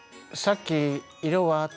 さっき「色は？」